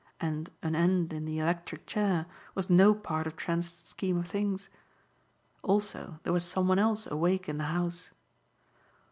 And an end in the electric chair was no part of Trent's scheme of things. Also, there was some one else awake in the house.